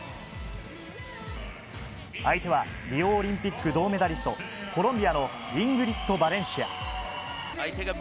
相手はリオオリンピック銅メダリスト、コロンビアのイングリッド・バレンシア。